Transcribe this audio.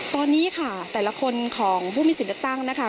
ตอนนี้ค่ะแต่ละคนของผู้มีสิทธิ์เลือกตั้งนะคะ